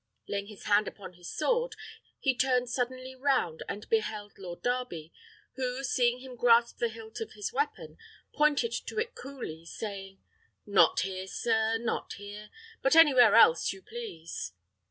Laying his hand upon his sword, he turned suddenly round, and beheld Lord Darby, who, seeing him grasp the hilt of his weapon, pointed to it coolly, saying, "Not here, sir, not here; but anywhere else you please."